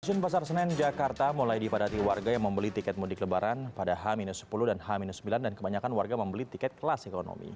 stasiun pasar senen jakarta mulai dipadati warga yang membeli tiket mudik lebaran pada h sepuluh dan h sembilan dan kebanyakan warga membeli tiket kelas ekonomi